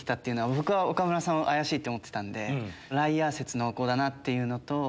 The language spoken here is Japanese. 僕は岡村さん怪しいって思ってたんでライアー説濃厚だなっていうのと。